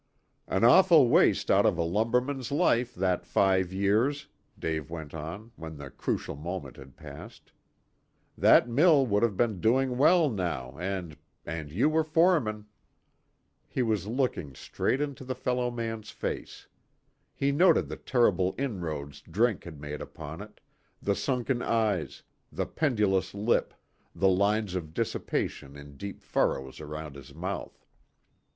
"An awful waste out of a lumberman's life, that five years," Dave went on, when the crucial moment had passed. "That mill would have been doing well now, and and you were foreman." He was looking straight into the fellow's mean face. He noted the terrible inroads drink had made upon it, the sunken eyes, the pendulous lip, the lines of dissipation in deep furrows round his mouth.